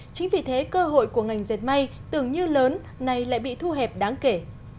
chính vì thế cơ hội của ngành diệt may tưởng như lớn nay lại bị thu hẹp đáng kể